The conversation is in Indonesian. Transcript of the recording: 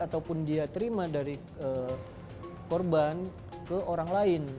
ataupun dia terima dari korban ke orang lain